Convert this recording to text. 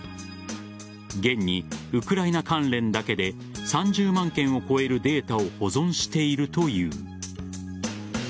現にウクライナ関連だけで３０万件を超えるデータを保存しているという。